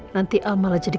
tapi beli belah di sekolah